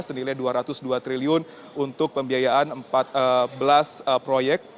senilai rp dua ratus dua triliun untuk pembiayaan empat belas proyek